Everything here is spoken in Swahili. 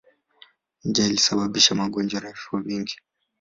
Njaa ilisababisha magonjwa na vifo vingi.